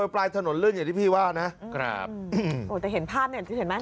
ปลายถนนลื่นอย่างที่พี่ว่านะครับโอ้แต่เห็นภาพเนี่ยเห็นไหม